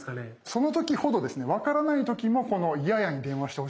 その時ほどですね分からない時もこの「イヤヤ」に電話してほしいんですよね。